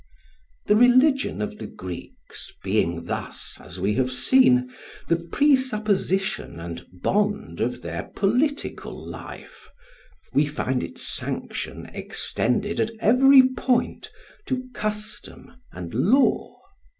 The religion of the Greeks being thus, as we have seen, the presupposition and bond of their political life, we find its sanction extended at every point to custom and law.